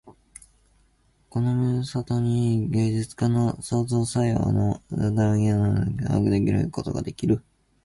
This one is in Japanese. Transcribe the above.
この故に芸術家の創造作用の如きものでも、制作によって生産様式的に物の具体概念を把握するということができる。